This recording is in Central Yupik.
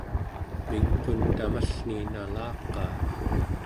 mingqun tamallni nalaqaa